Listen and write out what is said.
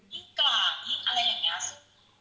ยิ่งกราดยิ่งอะไรอย่างนี้